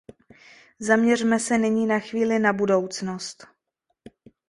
Zaměřme se nyní na chvíli na budoucnost.